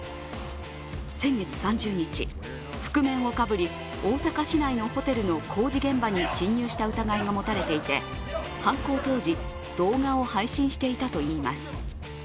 先月３０日、覆面をかぶり、大阪市内のホテルの工事現場に侵入した疑いが持たれていて犯行当時、動画を配信していたといいます。